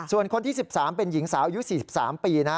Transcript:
ส่วนคนที่๑๓เป็นหญิงสาวอายุ๔๓ปีนะ